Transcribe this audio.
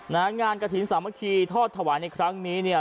งานกระถิ่นสามัคคีทอดถวายในครั้งนี้เนี่ย